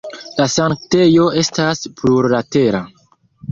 La sanktejo estas plurlatera.